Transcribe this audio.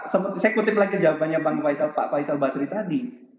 saya kutip lagi jawabannya pak faisal basri tadi